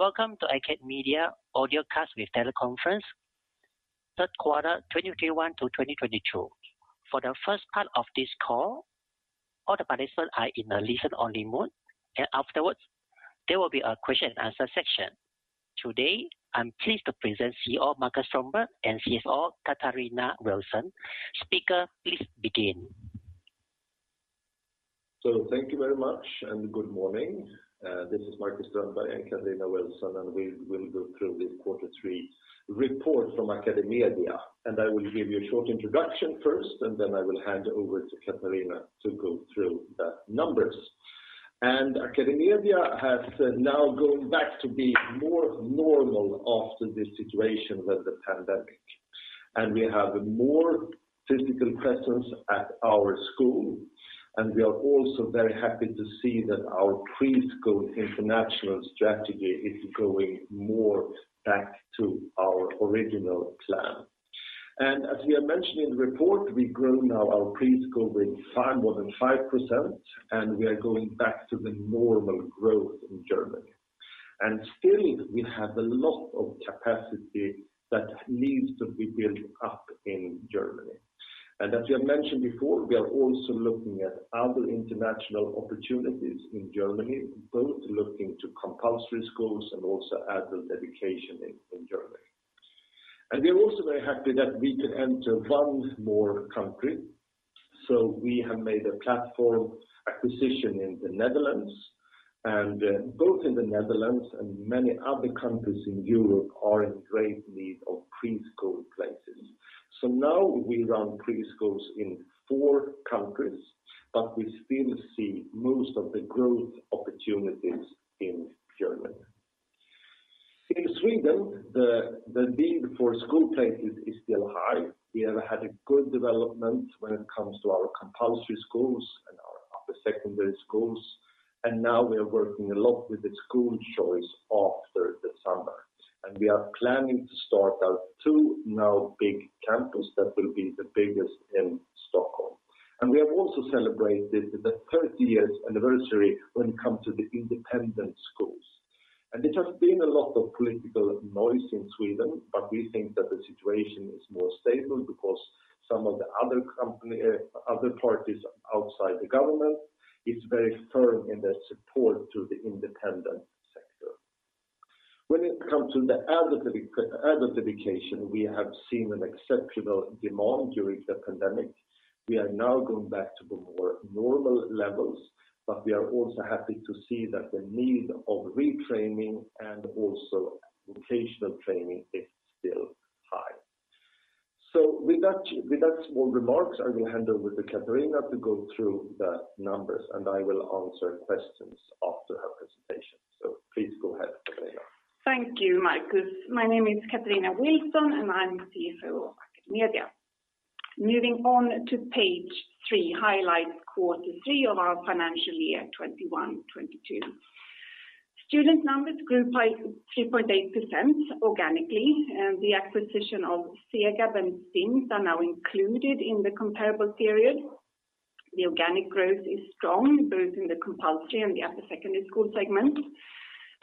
Welcome to AcadeMedia Audiocast with teleconference third quarter 2023, Q1-Q3 2022. For the first part of this call, all the participants are in a listen-only mode, and afterwards, there will be a question and answer section. Today, I'm pleased to present CEO Marcus Strömberg and CFO Katarina Wilson. Speaker, please begin. Thank you very much, and good morning. This is Marcus Strömberg and Katarina Wilson, and we will go through this quarter three report from AcadeMedia. I will give you a short introduction first, and then I will hand over to Katarina to go through the numbers. AcadeMedia has now gone back to being more normal after this situation with the pandemic. We have more physical presence at our school, and we are also very happy to see that our preschool international strategy is going more back to our original plan. As we are mentioning in the report, we've grown now our preschool with more than 5%, and we are going back to the normal growth in Germany. Still, we have a lot of capacity that needs to be built up in Germany. As we have mentioned before, we are also looking at other international opportunities in Germany, both looking to compulsory schools and also adult education in Germany. We are also very happy that we can enter one more country. We have made a platform acquisition in the Netherlands. Both in the Netherlands and many other countries in Europe are in great need of preschool places. Now we run preschools in four countries, but we still see most of the growth opportunities in Germany. In Sweden, the need for school places is still high. We have had a good development when it comes to our compulsory schools and our upper secondary schools, and now we are working a lot with the school choice after the summer. We are planning to start our two new big campuses that will be the biggest in Stockholm. We have also celebrated the 30-year anniversary when it comes to the independent schools. There has been a lot of political noise in Sweden, but we think that the situation is more stable because some of the other company, other parties outside the government is very firm in their support to the independent sector. When it comes to adult education, we have seen an exceptional demand during the pandemic. We are now going back to the more normal levels, but we are also happy to see that the need of retraining and also vocational training is still high. With that small remarks, I will hand over to Katarina to go through the numbers, and I will answer questions after her presentation. Please go ahead, Katarina. Thank you, Marcus. My name is Katarina Wilson, and I'm the CFO of AcadeMedia. Moving on to page three, highlights quarter three of our financial year 2021-2022. Student numbers grew by 3.8% organically, and the acquisition of Segab and Stims are now included in the comparable period. The organic growth is strong both in the compulsory and the upper secondary school segments.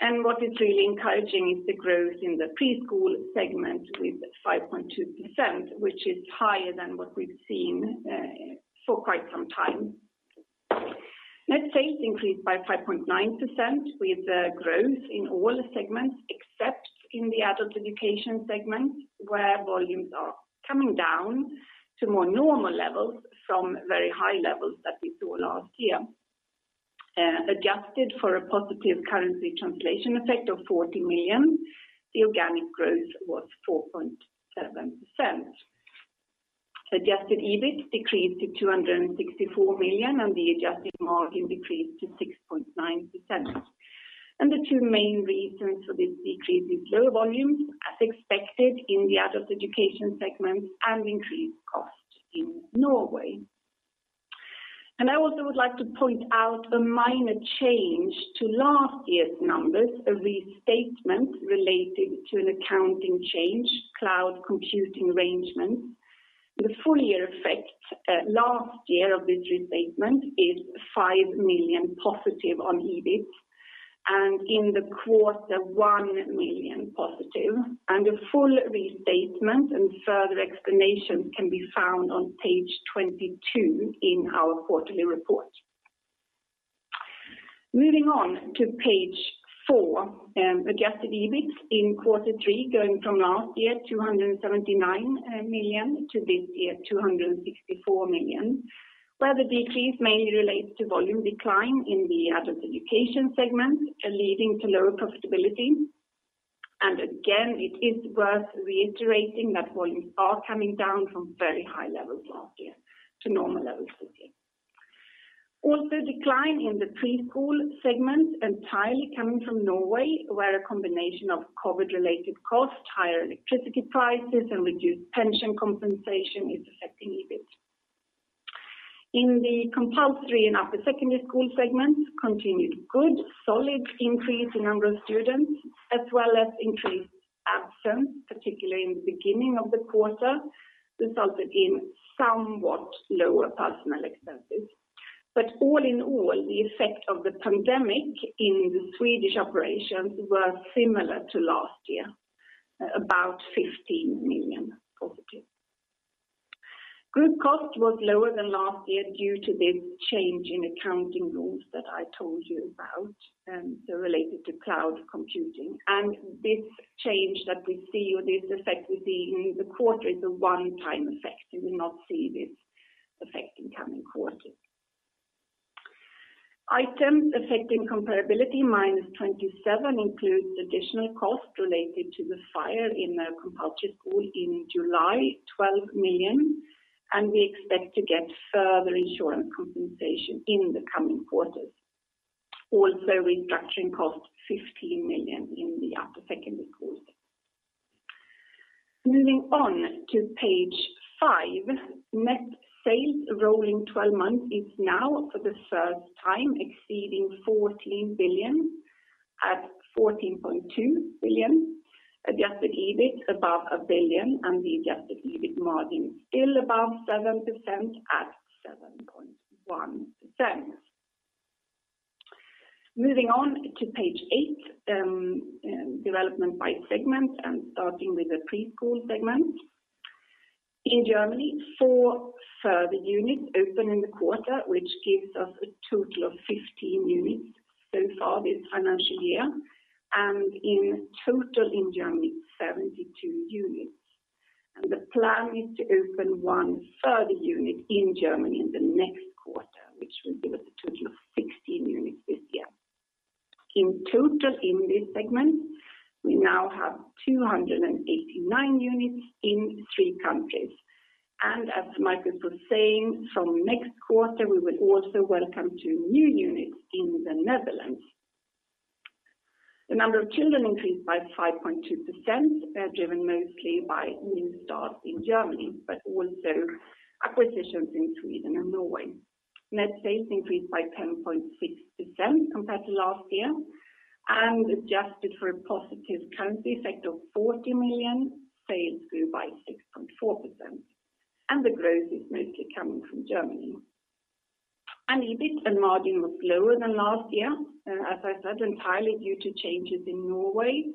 What is really encouraging is the growth in the preschool segment with 5.2%, which is higher than what we've seen for quite some time. Net fees increased by 5.9% with the growth in all segments, except in the adult education segment, where volumes are coming down to more normal levels from very high levels that we saw last year. Adjusted for a positive currency translation effect of 40 million, the organic growth was 4.7%. Adjusted EBIT decreased to 264 million, and the adjusted margin decreased to 6.9%. The two main reasons for this decrease is lower volumes, as expected in the adult education segment, and increased costs in Norway. I also would like to point out a minor change to last year's numbers, a restatement related to an accounting change, cloud computing arrangement. The full year effect, last year of this restatement is five million positive on EBIT, and in the quarter, one million positive. A full restatement and further explanation can be found on page 22 in our quarterly report. Moving on to page four, adjusted EBIT in quarter three going from last year, 279 million to this year, 264 million, where the decrease mainly relates to volume decline in the adult education segment, leading to lower profitability. Again, it is worth reiterating that volumes are coming down from very high levels last year to normal levels this year. Also, decline in the preschool segment entirely coming from Norway, where a combination of COVID-related costs, higher electricity prices, and reduced pension compensation is affecting EBIT. In the compulsory and upper secondary school segments, continued good solid increase in number of students as well as increased absence, particularly in the beginning of the quarter, resulted in somewhat lower personnel expenses. All in all, the effect of the pandemic in the Swedish operations were similar to last year, about 15 million positive. COGS was lower than last year due to this change in accounting rules that I told you about, so related to cloud computing. This change that we see or this effect we see in the quarter is a one-time effect. We will not see this effect in coming quarters. Items affecting comparability -27 million includes additional costs related to the fire in a compulsory school in July, 12 million, and we expect to get further insurance compensation in the coming quarters. Also, restructuring costs 15 million in the upper secondary school. Moving on to page 5. Net sales rolling 12 months is now for the first time exceeding 14 billion at 14.2 billion. Adjusted EBIT above 1 billion and the adjusted EBIT margin still above 7% at 7.1%. Moving on to page eight, development by segment and starting with the preschool segment. In Germany, four further units opened in the quarter, which gives us a total of 15 units so far this financial year, and in total in Germany, 72 units. The plan is to open one further unit in Germany in the next quarter, which will give us a total of 16 units this year. In total in this segment, we now have 289 units in three countries. As Marcus was saying, from next quarter, we will also welcome two new units in the Netherlands. The number of children increased by 5.2%, driven mostly by new starts in Germany, but also acquisitions in Sweden and Norway. Net sales increased by 10.6% compared to last year, and adjusted for a positive currency effect of 40 million, sales grew by 6.4%. The growth is mostly coming from Germany. EBIT and margin was lower than last year, as I said, entirely due to changes in Norway.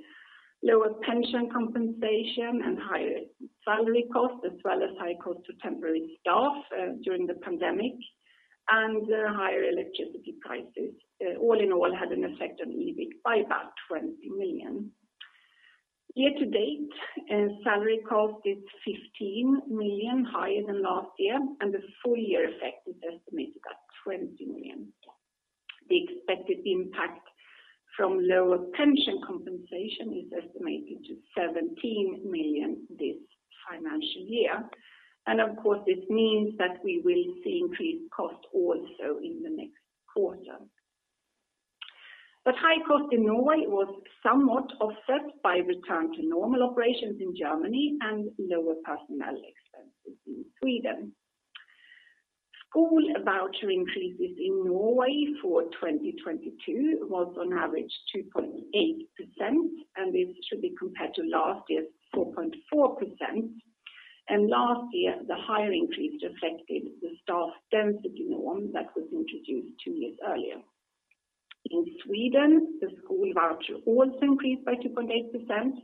Lower pension compensation and higher salary costs, as well as high cost to temporary staff, during the pandemic, and higher electricity prices, all in all, had an effect on EBIT by about 20 million. Year to date, salary cost is 15 million higher than last year, and the full year effect is estimated at 20 million. The expected impact from lower pension compensation is estimated to 17 million this financial year. Of course, this means that we will see increased cost also in the next quarter. High cost in Norway was somewhat offset by return to normal operations in Germany and lower personnel expenses in Sweden. School voucher increases in Norway for 2022 was on average 2.8%, and this should be compared to last year's 4.4%. Last year, the higher increase reflected the staff density norm that was introduced two years earlier. In Sweden, the school voucher also increased by 2.8%,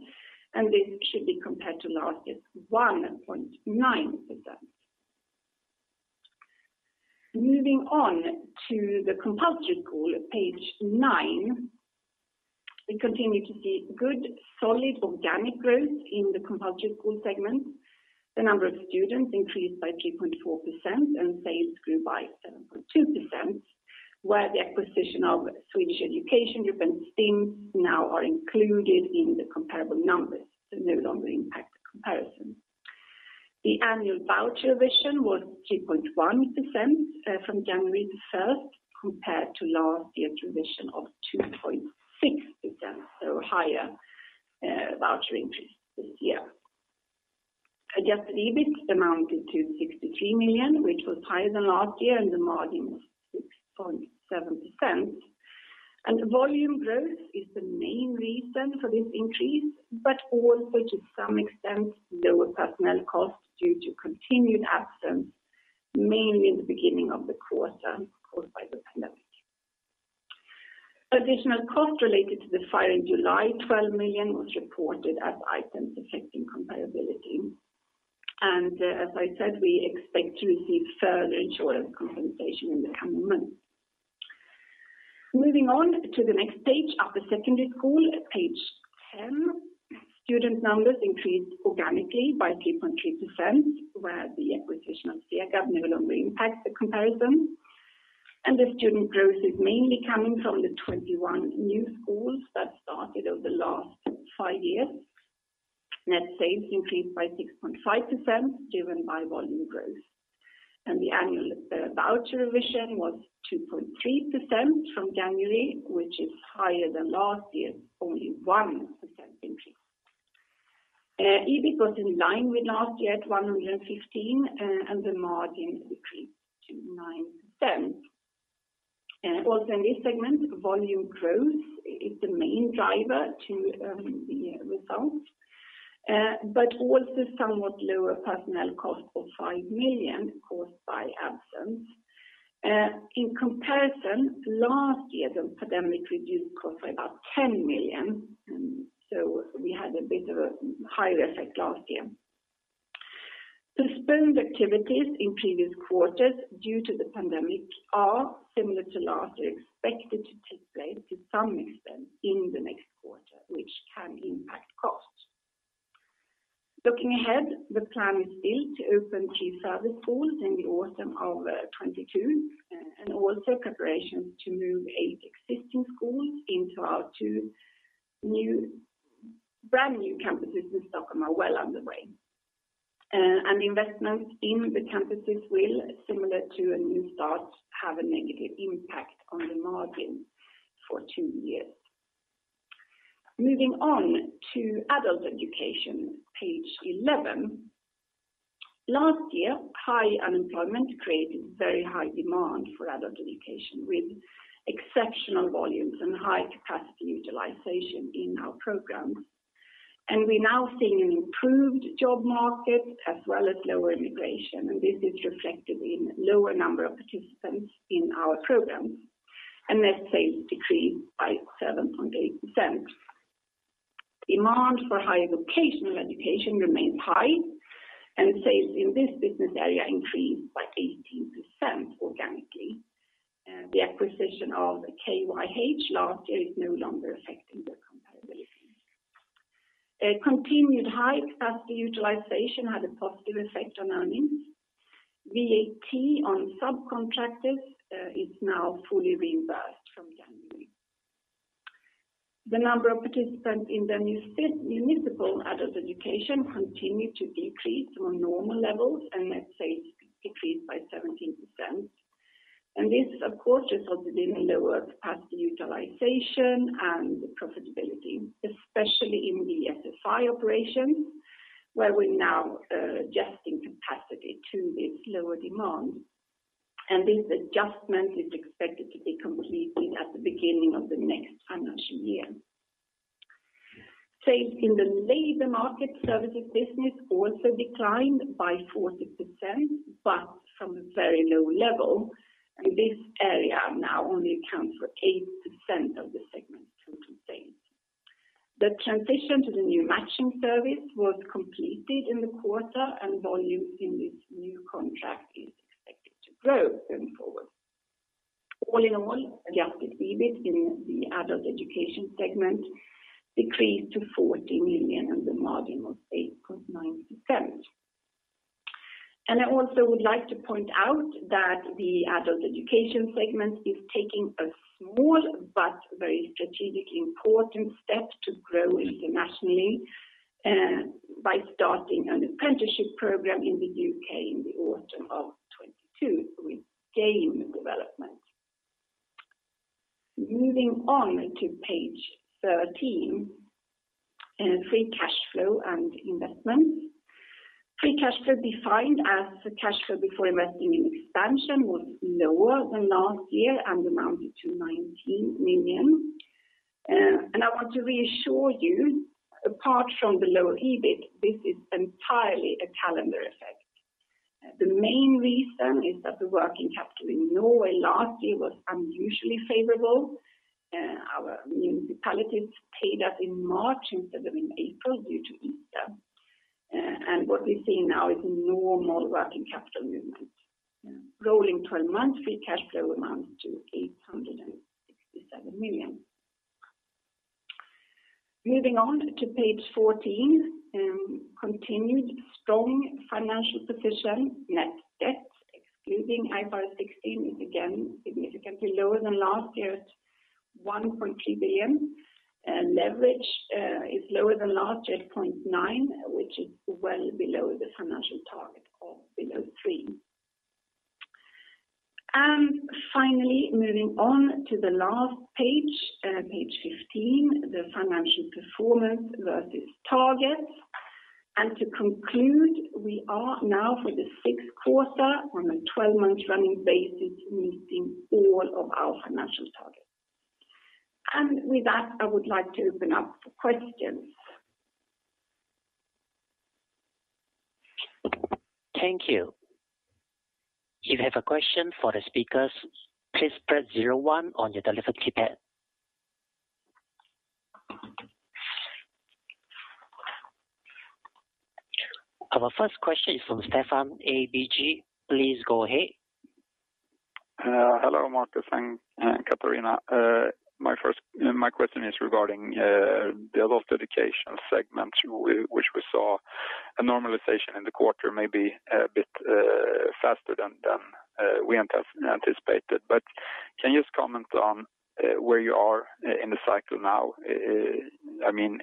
and this should be compared to last year's 1.9%. Moving on to the compulsory school at page 9. We continue to see good, solid organic growth in the compulsory school segment. The number of students increased by 2.4% and sales grew by 7.2%, where the acquisition of Swedish Education Group and Stims now are included in the comparable numbers. No longer impact the comparison. The annual voucher revision was 2.1%, from January 1, compared to last year's revision of 2.6%, so higher voucher increase this year. Adjusted EBIT amounted to 63 million, which was higher than last year, and the margin was 6.7%. Volume growth is the main reason for this increase, but also to some extent, lower personnel costs due to continued absence, mainly in the beginning of the quarter caused by the pandemic. Additional costs related to the fire in July, 12 million, was reported as items affecting comparability. As I said, we expect to receive further insurance compensation in the coming months. Moving on to the next page, after secondary school at page 10. Student numbers increased organically by 2.3%, where the acquisition of Segab no longer impacts the comparison. The student growth is mainly coming from the 21 new schools that started over the last five years. Net sales increased by 6.5% driven by volume growth. The annual voucher revision was 2.3% from January, which is higher than last year's only 1% increase. EBIT was in line with last year at 115 million, and the margin decreased to 9%. Also in this segment, volume growth is the main driver to the results. Also somewhat lower personnel cost of 5 million caused by absence. In comparison, last year, the pandemic reduced costs by about 10 million, and so we had a bit of a higher effect last year. Suspended activities in previous quarters due to the pandemic are similar to last year, expected to take place to some extent in the next quarter, which can impact costs. Looking ahead, the plan is still to open two further schools in the autumn of 2022, and also preparations to move eight existing schools into our two new brand new campuses in Stockholm are well underway. Investments in the campuses will, similar to a new start, have a negative impact on the margin for two years. Moving on to adult education, page eleven. Last year, high unemployment created very high demand for adult education with exceptional volumes and high capacity utilization in our programs. We're now seeing an improved job market as well as lower immigration, and this is reflected in lower number of participants in our programs. Net sales decreased by 7.8%. Demand for higher vocational education remains high, and sales in this business area increased by 18% organically. The acquisition of KYH last year is no longer affecting the comparability. A continued high capacity utilization had a positive effect on earnings. VAT on subcontractors is now fully reimbursed from January. The number of participants in municipal adult education continued to decrease to a normal level, and net sales decreased by 17%. This of course resulted in lower capacity utilization and profitability, especially in the SFI operations, where we're now adjusting capacity to this lower demand. This adjustment is expected to be completed at the beginning of the next financial year. Sales in the labor market services business also declined by 40%, but from a very low level, and this area now only accounts for 8% of the segment's total sales. The transition to the new matching service was completed in the quarter, and volumes in this new contract is expected to grow going forward. All in all, adjusted EBIT in the adult education segment decreased to 40 million, and the margin was 8.9%. I also would like to point out that the adult education segment is taking a small but very strategically important step to grow internationally, by starting an apprenticeship program in the U.K. in the autumn of 2022 with game development. Moving on to page 13, free cash flow and investments. Free cash flow defined as the cash flow before investing in expansion was lower than last year and amounted to 19 million. I want to reassure you, apart from the lower EBIT, this is entirely a calendar effect. The main reason is that the working capital in Norway last year was unusually favorable. Our municipalities paid us in March instead of in April due to Easter. What we see now is normal working capital movement. Rolling 12-month free cash flow amounts to 867 million. Moving on to page 14, continued strong financial position. Net debt excluding IFRS 16 is again significantly lower than last year at 1.3 billion. Leverage is lower than last year at 0.9, which is well below the financial target of below 3. Finally, moving on to the last page 15, the financial performance versus targets. To conclude, we are now for the sixth quarter on a 12-month running basis, meeting all of our financial targets. With that, I would like to open up for questions. Thank you. If you have a question for the speakers, please press zero one on your telephone keypad. Our first question is from Stefan, ABG. Please go ahead. Hello, Marcus and Katarina. My question is regarding the adult education segment, which we saw a normalization in the quarter may be a bit faster than we anticipated. Can you just comment on where you are in the cycle now? I mean,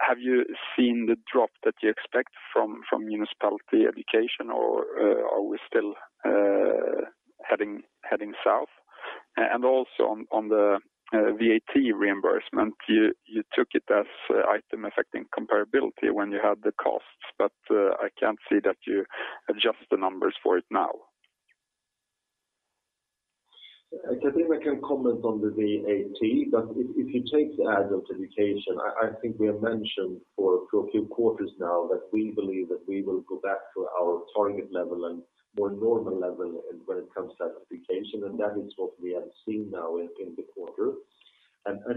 have you seen the drop that you expect from municipality education or are we still heading south? Also on the VAT reimbursement, you took it as an item affecting comparability when you had the costs. I can't see that you adjust the numbers for it now. I think I can comment on the VAT, but if you take the adult education, I think we have mentioned for a few quarters now that we believe that we will go back to our target level and more normal level, when it comes to education, and that is what we have seen now in the quarter.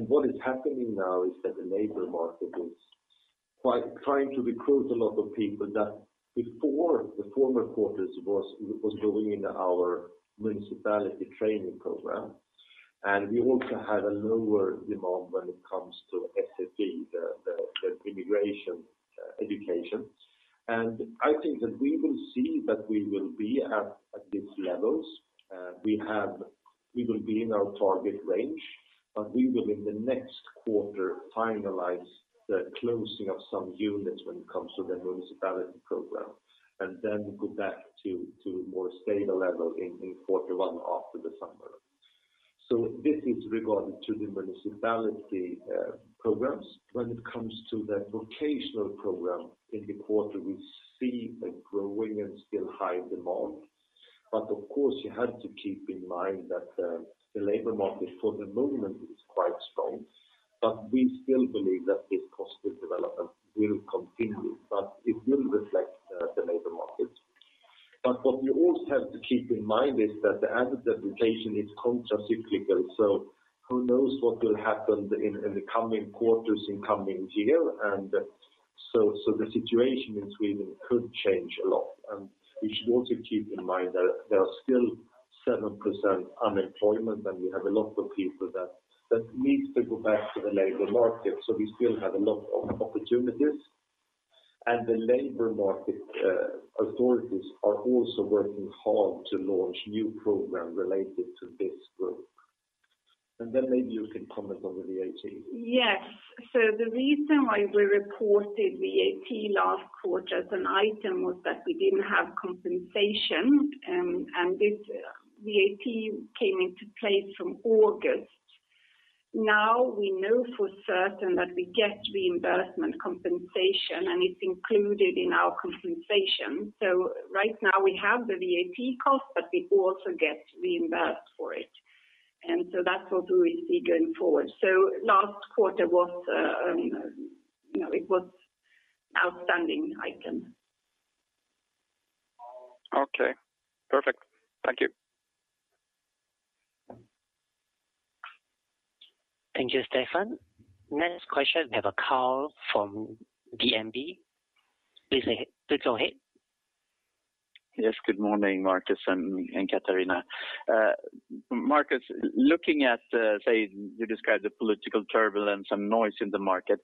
What is happening now is that the labor market is quite tight trying to recruit a lot of people that before the former quarters was going into our municipality training program. We also had a lower demand when it comes to SFI, the immigration education. I think that we will see that we will be at these levels. We will be in our target range, but we will in the next quarter finalize the closing of some units when it comes to the municipality program, and then go back to more stable level in quarter one after the summer. This is regarding to the municipality programs. When it comes to the vocational program in the quarter, we see a growing and still high demand. Of course, you have to keep in mind that the labor market for the moment is quite strong. We still believe that this positive development will continue, but it will reflect the labor market. What we also have to keep in mind is that the adult education is counter-cyclical, so who knows what will happen in the coming quarters and coming year. The situation in Sweden could change a lot. We should also keep in mind that there are still 7% unemployment, and we have a lot of people that needs to go back to the labor market. We still have a lot of opportunities. The labor market authorities are also working hard to launch new program related to this group. Then maybe you can comment on the VAT. Yes. The reason why we reported VAT last quarter as an item was that we didn't have compensation, and this VAT came into place from August. Now, we know for certain that we get reimbursement compensation, and it's included in our compensation. Right now we have the VAT cost, but we also get reimbursed for it. That's what we will see going forward. Last quarter was, you know, it was outstanding item. Okay. Perfect. Thank you. Thank you, Stefan. Next question, we have a call from DNB. Please go ahead. Yes, good morning, Marcus and Katarina. Marcus, looking at, say you describe the political turbulence and noise in the market,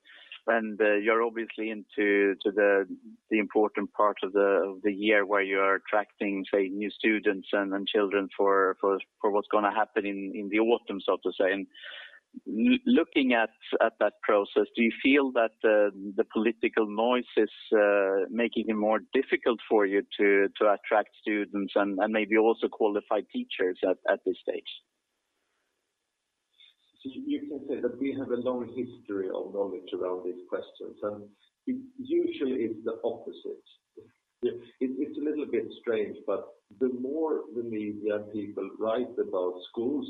and you're obviously into the important part of the year where you are attracting, say, new students and children for what's gonna happen in the autumn, so to say. Looking at that process, do you feel that the political noise is making it more difficult for you to attract students and maybe also qualified teachers at this stage? You can say that we have a long history of knowledge around these questions, and it usually is the opposite. It's a little bit strange, but the more the media people write about schools,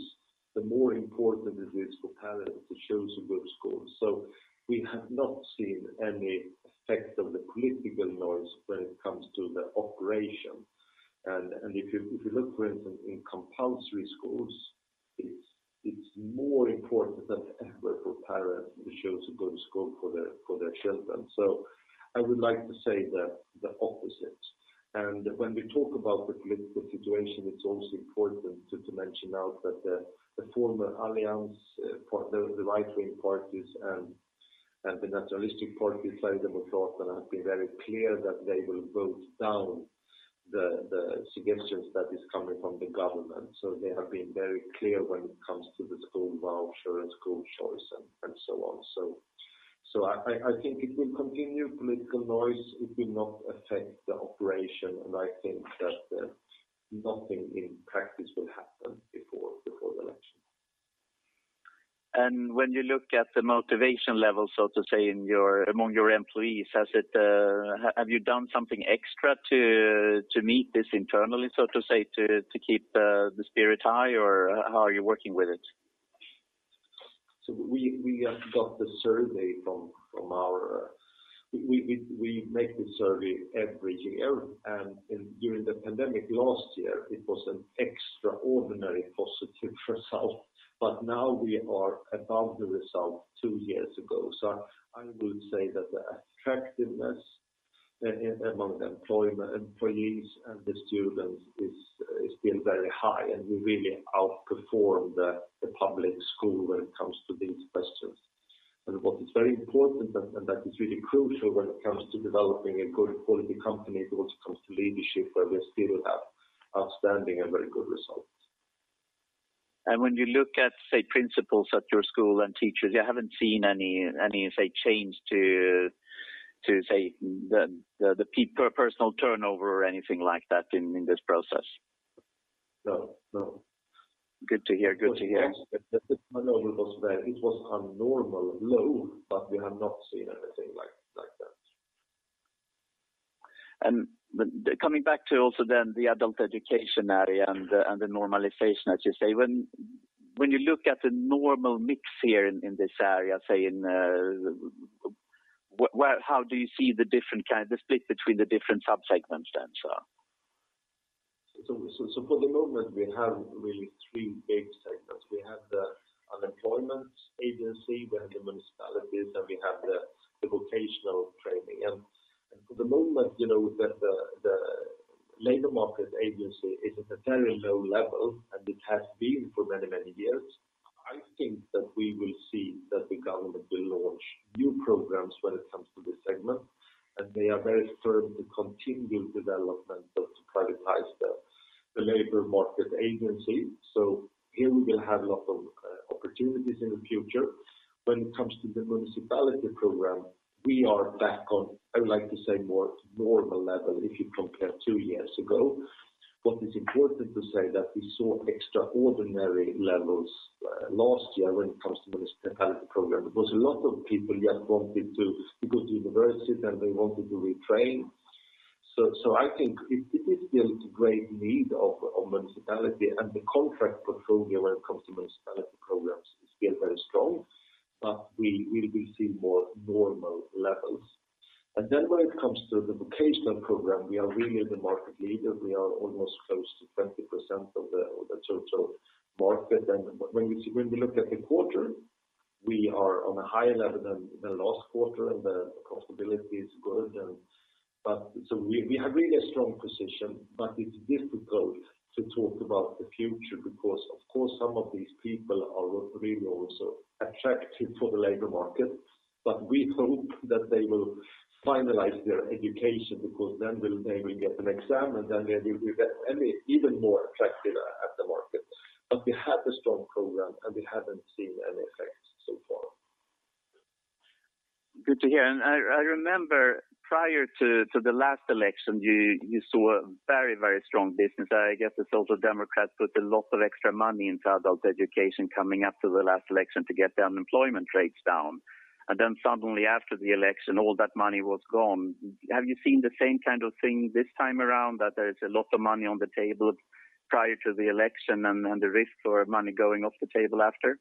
the more important it is for parents to choose a good school. We have not seen any effect of the political noise when it comes to the operation. If you look, for instance, in compulsory schools, it's more important than ever for parents to choose a good school for their children. I would like to say the opposite. When we talk about the political situation, it's also important to point out that the former alliance for the right-wing parties and the nationalist party side of the floor have been very clear that they will vote down the suggestions that is coming from the government. They have been very clear when it comes to the school voucher and school choice and so on. I think it will continue political noise. It will not affect the operation, and I think that nothing in practice will happen before the election. When you look at the motivation level, so to say, among your employees, have you done something extra to meet this internally, so to say, to keep the spirit high or how are you working with it? We make the survey every year, and during the pandemic last year, it was an extraordinary positive result. Now we are above the result two years ago. I will say that the attractiveness among employees and the students is still very high, and we really outperform the public school when it comes to these questions. What is very important and that is really crucial when it comes to developing a good quality company is also comes to leadership, where we still have outstanding and very good results. When you look at, say, principals at your school and teachers, you haven't seen any, say, change to the personal turnover or anything like that in this process? No, no. Good to hear. Good to hear. The turnover was abnormally low, but we have not seen anything like that. Coming back to also then the adult education area and the normalization, as you say. When you look at the normal mix here in this area, say in where how do you see the different kind, the split between the different subsegments then, sir? For the moment, we have really three big segments. We have the unemployment agency, where the municipality is, and we have the vocational training. For the moment, you know, the labor market agency is at a very low level, and it has been for many years. I think that we will see that the government will launch new programs when it comes to this segment, and they are very firm to continue development but to prioritize the labor market agency. Here we will have a lot of opportunities in the future. When it comes to the municipality program, we are back on, I would like to say, more to normal level if you compare two years ago. What is important to say that we saw extraordinary levels last year when it comes to municipality program, because a lot of people just wanted to go to university, and they wanted to retrain. I think it is still a great need of municipality, and the contract portfolio when it comes to municipality programs is still very strong, but we will be seeing more normal levels. When it comes to the vocational program, we are really the market leader. We are almost close to 20% of the total market. When we look at the quarter, we are on a higher level than the last quarter, and the profitability is good. We have really a strong position, but it's difficult to talk about the future because of course, some of these people are really also attractive for the labor market. We hope that they will finalize their education because then they will get an exam, and then they will be even more attractive at the market. We have a strong program, and we haven't seen any effects so far. Good to hear. I remember prior to the last election, you saw a very strong business. I guess the Social Democrats put a lot of extra money into adult education coming after the last election to get the unemployment rates down. Then suddenly after the election, all that money was gone. Have you seen the same kind of thing this time around, that there is a lot of money on the table prior to the election and the risk for money going off the table after?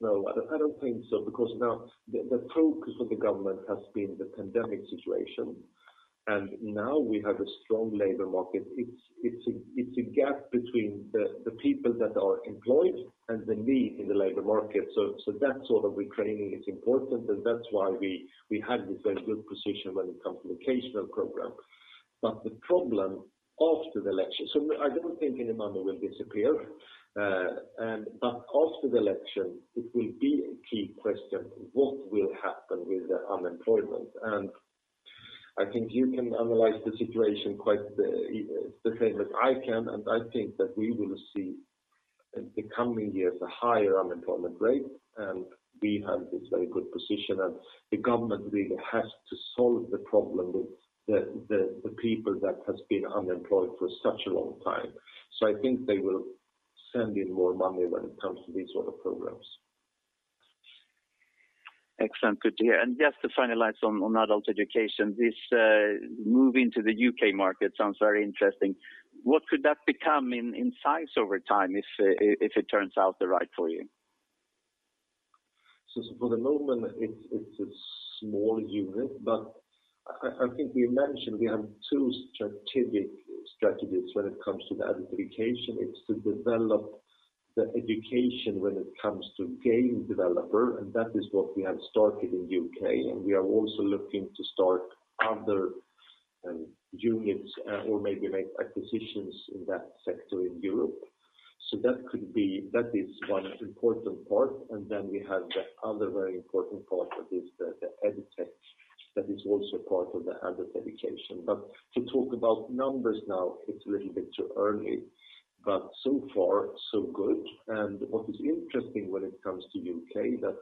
No, I don't think so because now the focus of the government has been the pandemic situation, and now we have a strong labor market. It's a gap between the people that are employed and the need in the labor market. So that sort of retraining is important, and that's why we had this very good position when it comes to vocational program. The problem after the election. I don't think any money will disappear. After the election, it will be a key question, what will happen with the unemployment? I think you can analyze the situation quite the same as I can, and I think that we will see in the coming years a higher unemployment rate, and we have this very good position. The government really has to solve the problem with the people that has been unemployed for such a long time. I think they will send in more money when it comes to these sort of programs. Excellent. Good to hear. Just to finalize on adult education, this moving to the U.K. market sounds very interesting. What could that become in size over time if it turns out the right for you? For the moment, it's a small unit, but I think we mentioned we have two strategic strategies when it comes to the adult education. It's to develop the education when it comes to game developer, and that is what we have started in UK. We are also looking to start other units or maybe make acquisitions in that sector in Europe. That could be. That is one important part. We have the other very important part that is the EdTech that is also part of the adult education. To talk about numbers now, it's a little bit too early, but so far, so good. What is interesting when it comes to UK that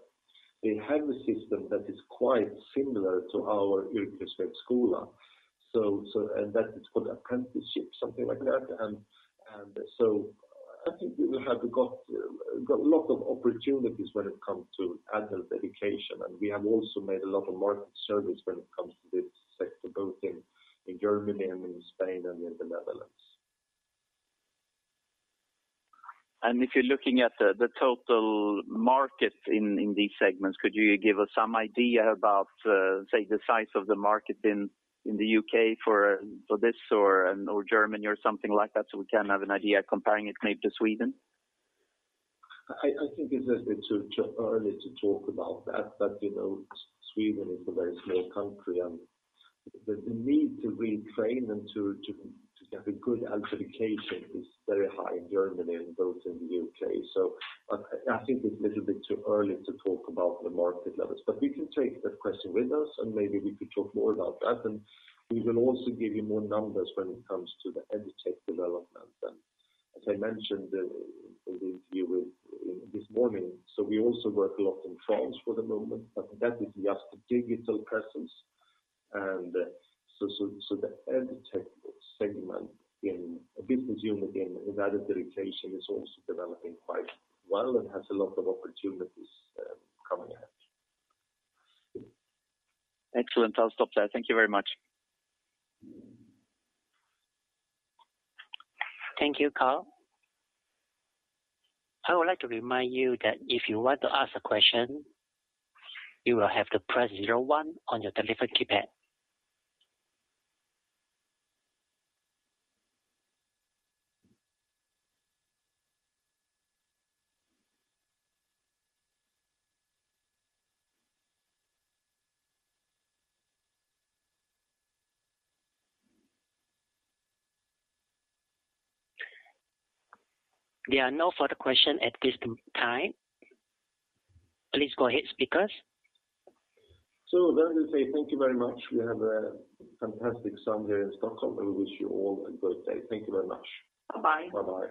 they have a system that is quite similar to our Yrkesvux. And that is called Apprenticeship, something like that. I think we have got a lot of opportunities when it comes to adult education. We have also made a lot of market surveys when it comes to this sector, both in Germany and in Spain and in the Netherlands. If you're looking at the total market in these segments, could you give us some idea about, say the size of the market in the UK for this or Germany or something like that, so we can have an idea comparing it maybe to Sweden? I think it's a bit too early to talk about that. You know, Sweden is a very small country, and the need to retrain and to get a good education is very high in Germany and both in the UK. I think it's a little bit too early to talk about the market levels. We can take that question with us, and maybe we could talk more about that. We will also give you more numbers when it comes to the EdTech development. As I mentioned in the interview this morning, we also work a lot in France for the moment, but that is just a digital presence. The EdTech segment in a business unit in adult education is also developing quite well and has a lot of opportunities coming ahead. Excellent. I'll stop there. Thank you very much. Thank you, Carl. I would like to remind you that if you want to ask a question, you will have to press zero one on your telephone keypad. There are no further questions at this time. Please go ahead, speakers. Let me say thank you very much. We have a fantastic summer here in Stockholm, and we wish you all a good day. Thank you very much. Bye-bye. Bye-bye.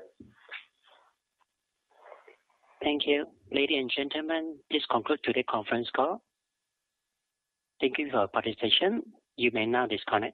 Thank you. Ladies and gentlemen, this concludes today's conference call. Thank you for your participation. You may now disconnect.